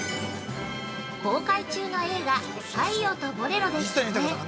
◆公開中の映画「太陽とボレロ」で共演。